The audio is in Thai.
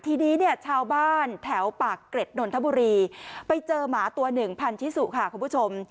ทีนี้เนี่ยชาวบ้านแถวปากเกร็ดนนทบุรีไปเจอหมาตัวหนึ่งพันธิสุค่ะคุณผู้ชม